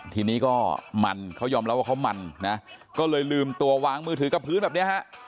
ทีนี้ก็มันเขายอมรับว่าเขามันนะก็เลยลืมตัววางมือถือกับพื้นแบบนี้ฮะ